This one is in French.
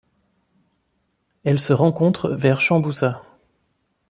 Elle se rencontre vers Chambusa.